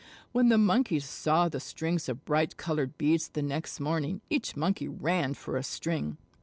When the Monkeys saw the strings of bright colored beads the next morning, each Monkey ran for a string.